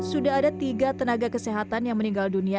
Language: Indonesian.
sudah ada tiga tenaga kesehatan yang meninggal dunia